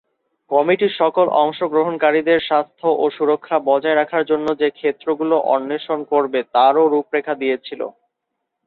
Committee সকল অংশগ্রহণকারীদের স্বাস্থ্য ও সুরক্ষা বজায় রাখার জন্য যে ক্ষেত্রগুলো অন্বেষণ করবে তার-ও রূপরেখা দিয়েছিল।